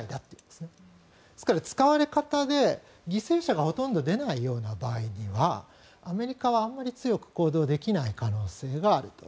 ですから、使われ方で犠牲者がほとんど出ないような場合にはアメリカはあんまり強く行動できない可能性があると。